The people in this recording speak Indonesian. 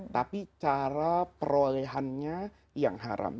tapi cara perolehannya yang haram